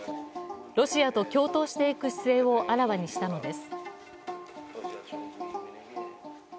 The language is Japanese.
ロシアと共闘していく姿勢をあらわにしたのです。